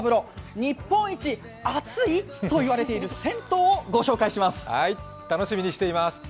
日本一熱いと言われている銭湯をご紹介します。